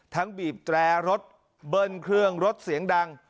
บีบแตรรถเบิ้ลเครื่องรถเสียงดัง